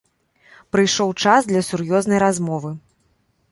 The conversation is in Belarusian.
Прыйшоў час для сур'ёзнай размовы.